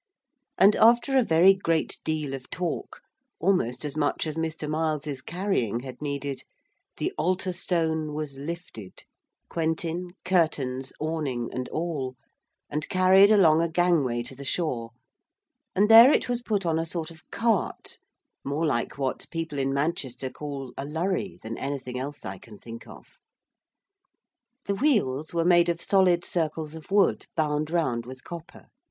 And after a very great deal of talk almost as much as Mr. Miles's carrying had needed the altar stone was lifted, Quentin, curtains, awning and all, and carried along a gangway to the shore, and there it was put on a sort of cart, more like what people in Manchester call a lurry than anything else I can think of. The wheels were made of solid circles of wood bound round with copper.